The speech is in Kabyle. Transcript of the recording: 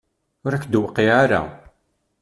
Ur ak-d-tuqiɛ ara?